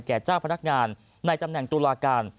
เจ้าพนักงานในตำแหน่งตุลาการ